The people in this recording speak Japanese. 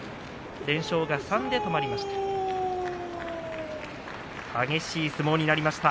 連勝が３で止まりました。